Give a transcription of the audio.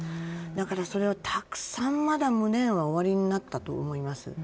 だから、それはたくさんまだ無念はおありだったと思います。